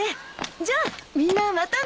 じゃあみんなまたね。